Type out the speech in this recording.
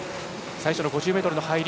最初の５０ｍの入り